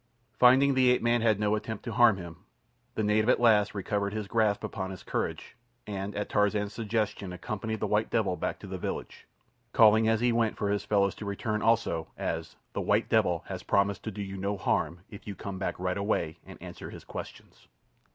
Finding the ape man made no attempt to harm him, the native at last recovered his grasp upon his courage, and, at Tarzan's suggestion, accompanied the white devil back to the village, calling as he went for his fellows to return also, as "the white devil has promised to do you no harm if you come back right away and answer his questions."